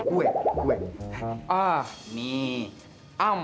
oh ini dia